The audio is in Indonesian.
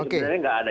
sebenarnya nggak ada